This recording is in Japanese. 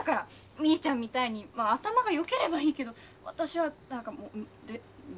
みーちゃんみたいにまあ頭がよければいいけど私は何かもうででできないしもう。